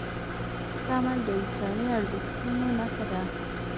ښه عمل د انساني ارزښتونو نښه ده.